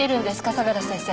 相良先生。